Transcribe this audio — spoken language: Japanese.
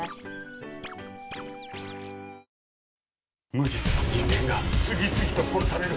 無実の人間が次々と殺される。